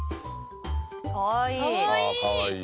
かわいい。